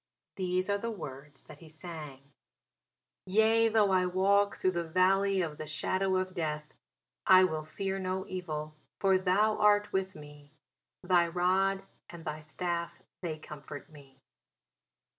These were the words that he sang: Yea though I walk through the valley of the shadow of death, I will fear no evil; for thou art with me; Thy rod and thy staff, they comfort me.